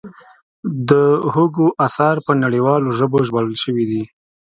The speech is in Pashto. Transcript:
د هوګو اثار په نړیوالو ژبو ژباړل شوي دي.